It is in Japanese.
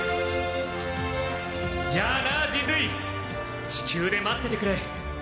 じゃあな人類地球で待っててくれ。